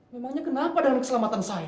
memangnya kenapa dengan keselamatan saya